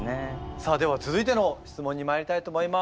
さあでは続いての質問にまいりたいと思います。